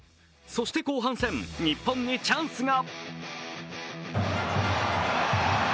そして、後半戦日本にチャンスが。